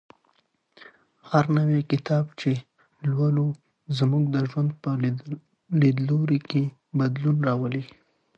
هر نوی کتاب چې لولو زموږ د ژوند په لیدلوري کې بدلون راولي.